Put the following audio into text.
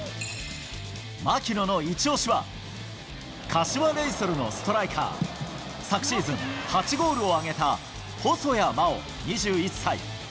槙野のイチオシは、柏レイソルのストライカー、昨シーズン、８ゴールを挙げた細谷真大２１歳。